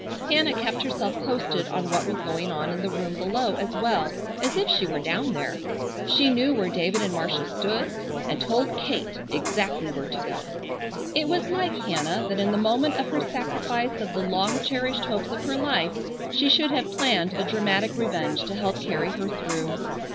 Hannah kept herself posted on what was going on in the room below as well as if she were down there. She knew where David and Marcia stood, and told Kate exactly where to go. It was like Hannah that in the moment of her sacrifice of the long cherished hopes of her life she should have planned a dramatic revenge to help carry her through.